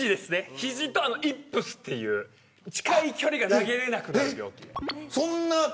肘とイップスっていう近い距離が投げられなくなる。